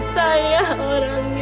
saya orangnya ibu